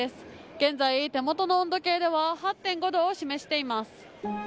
現在、手元の温度計では８．５度を示しています。